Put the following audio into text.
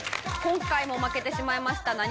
今回も負けてしまいました。